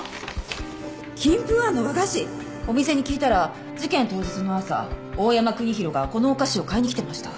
お店に聞いたら事件当日の朝大山国広がこのお菓子を買いに来てました。